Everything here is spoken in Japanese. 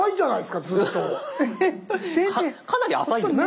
かなり浅いですね。